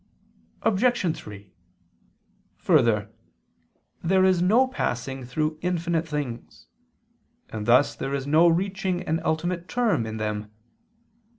Obj. 3: Further, there is no passing through infinite things: and thus there is no reaching an ultimate term in them.